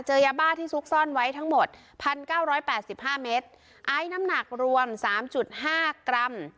ยาบ้าที่ซุกซ่อนไว้ทั้งหมดพันเก้าร้อยแปดสิบห้าเมตรไอซ์น้ำหนักรวมสามจุดห้ากรัม